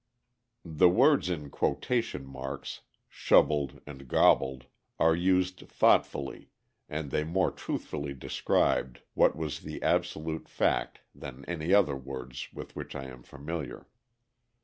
(The words in quotation marks are used thoughtfully, and they more truthfully describe what was the absolute fact than any other words with which I am familiar.)